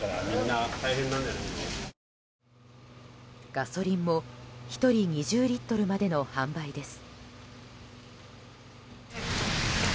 ガソリンも１人２０リットルまでの販売です。